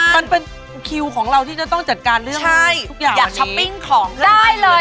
มันเป็นคิวของเราที่จะต้องจัดการเรื่องทุกอย่างอันนี้